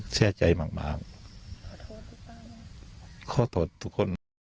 เชื่อใจมากโขทธทุกคน